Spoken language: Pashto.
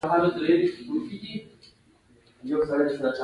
د کابل دیوالونه د تاریخ نښې دي